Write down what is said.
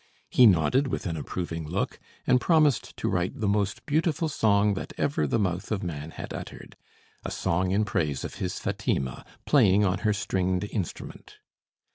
He nodded with an approving look, and promised to write the most beautiful song that ever the mouth of man had uttered; a song in praise of his Fatima, playing on her stringed instrument.